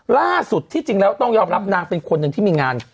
ล่าสุดที่จริงแล้วต้องยอมรับนางเป็นคนหนึ่งที่มีงาน